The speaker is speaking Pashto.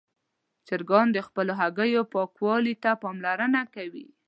چرګان د خپلو هګیو پاکوالي ته پاملرنه کوي.